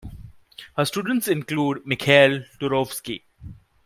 Her students include Mikhail Turovsky.